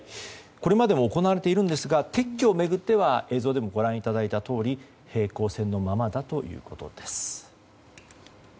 これまでも行われているんですが撤去を巡っては映像でもご覧いただいたとおり平行線のままだということです。